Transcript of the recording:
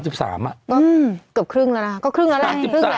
อืมเกือบครึ่งแล้วแล้วก็ครึ่งแล้วแล้วฮะ